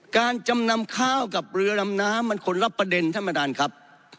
การจำนำข้าวกับเรือลำน้ำมันควรรับประเด็นธรรมดาลครับ